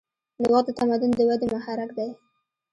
نوښت د تمدن د ودې محرک دی.